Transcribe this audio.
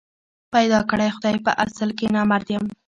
پيدا کړی خدای په اصل کي نامراد یم